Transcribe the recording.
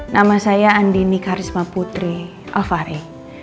nama saya andini karisma putri alvari